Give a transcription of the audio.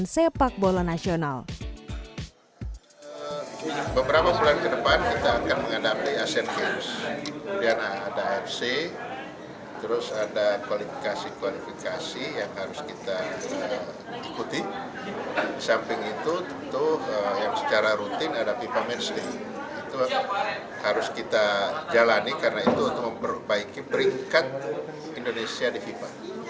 secara rutin ada vipa mercy itu harus kita jalani karena itu untuk memperbaiki beringkat indonesia di vipa